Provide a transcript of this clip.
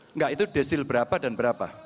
enggak itu desil berapa dan berapa